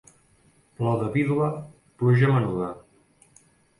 Plor de vídua, pluja menuda.